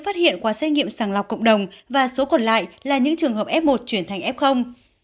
phát hiện qua xét nghiệm sàng lọc cộng đồng và số còn lại là những trường hợp f một chuyển thành f